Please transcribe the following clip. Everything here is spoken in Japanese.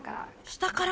下から？